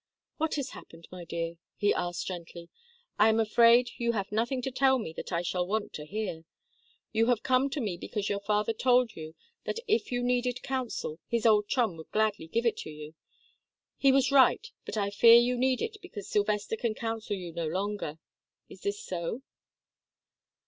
"What has happened, my dear?" he asked, gently. "I am afraid you have nothing to tell me that I shall want to hear. You have come to me because your father told you that if you needed counsel, his old chum would gladly give it you? He was right, but I fear you need it because Sylvester can counsel you no longer is this so?"